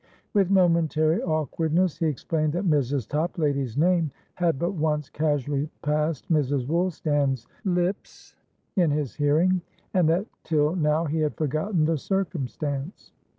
With momentary awkwardness he explained that Mrs. Toplady's name had but once casually passed Mrs. Woolstan's Tips in his hearing, and that till now he had forgotten the circumstance.